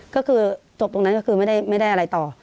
ก็คือจบตรงนั้นก็คือไม่ได้อะไรต่อ